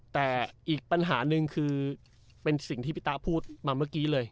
แต่อีกปัญหาหนึ่งคือเป็นสิ่งที่พี่ตาพูดมาเมื่อกี้เลย